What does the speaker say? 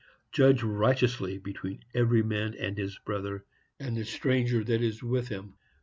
Judge righteously between every man and his brother, and the stranger that is with him.